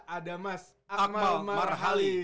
ada mas akmal marhali